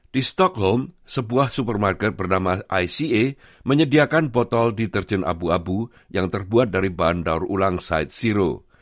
di stockhome sebuah supermarket bernama ica menyediakan botol deterjen abu abu yang terbuat dari bahan daur ulang site zero